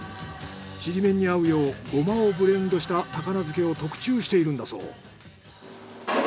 ちりめんに合うようゴマをブレンドした高菜漬けを特注しているんだそう。